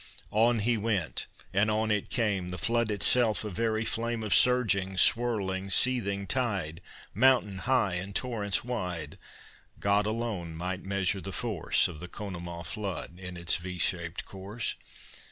On he went, and on it came, The flood itself a very flame Of surging, swirling, seething tide, Mountain high and torrents wide. God alone might measure the force Of the Conemaugh flood in its V shaped course.